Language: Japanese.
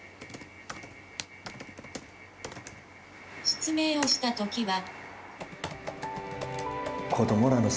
「失明をしたときは」